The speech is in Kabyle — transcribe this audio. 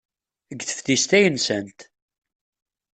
Deg teftist ay nsant.